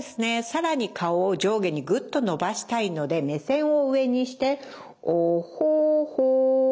さらに顔を上下にぐっと伸ばしたいので目線を上にしてオホホ。